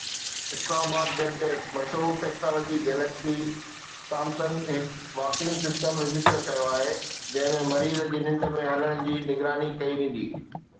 اسلام آباد (web desk) مشهور ٽيڪنالاجي گليڪسي سامسنگ هڪ واڪنگ سسٽم رجسٽر ڪيو آهي جنهن ۾ مريض جي ننڊ ۾ هلڻ جي نگراني ڪئي ويندي.